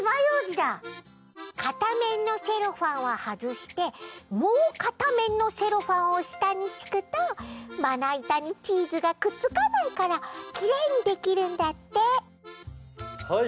かためんのセロハンははずしてもうかためんのセロハンをしたにしくとまないたにチーズがくっつかないからきれいにできるんだってはい！